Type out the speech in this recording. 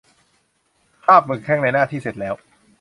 คราบหมึกแห้ง ในหน้าที่เสร็จแล้ว